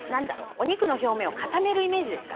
お肉の表面を固めるイメージですかね。